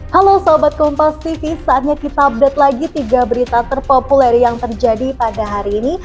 halo sahabat kompas tv saatnya kita update lagi tiga berita terpopuler yang terjadi pada hari ini